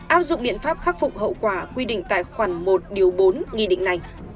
áp dụng biện pháp khắc phục hậu quả quy định tại khoản một điều bốn nghị định này